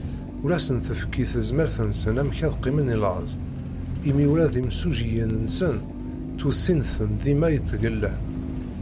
Ur asen-tefki tezmert-nsen amek ad qqimen i laẓ, imi ula d imsujjiyen-nsen ttwessin-ten dima i tgella.